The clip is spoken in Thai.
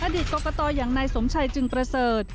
กรกตอย่างนายสมชัยจึงประเสริฐ